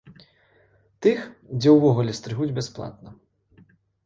Тых, дзе ўвогуле стрыгуць бясплатна.